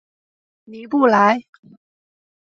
尼布莱。